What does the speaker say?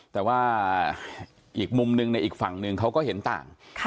แต่ว่าอีกมุมหนึ่งในอีกฝั่งหนึ่งเขาก็เห็นต่าง